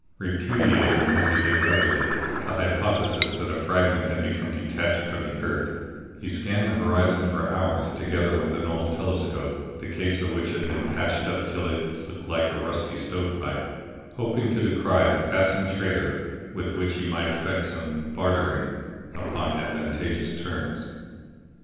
Repudiating, as he did utterly, the hypothesis that a fragment had become detached from the earth, he scanned the horizon for hours together with an old telescope, the case of which had been patched up till it looked like a rusty stove pipe, hoping to descry the passing trader with which he might effect some bartering upon advantageous terms.